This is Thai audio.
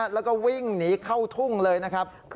แล้วก็วิ่งหนีเข้าทุ่งเลยนะครับ